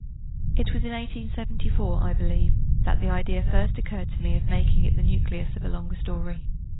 It was in 1874, I believe, that the idea first occurred to me of making it the nucleus of a longer story.